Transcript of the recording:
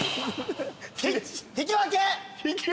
引き分け！